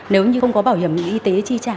nếu như không có bảo hiểm y tế chi trả